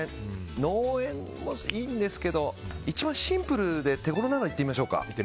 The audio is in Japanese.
農園もいいんですけど一番シンプルで手頃なのいってみましょうか。